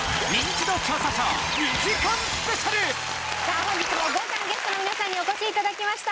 さあ本日も豪華なゲストの皆さんにお越し頂きました。